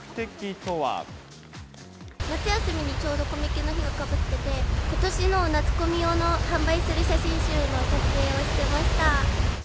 夏休みにちょうどコミケの日がかぶってて、ことしの夏コミ用の販売する写真集の撮影をしてました。